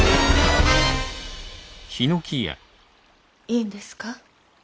いいんですか？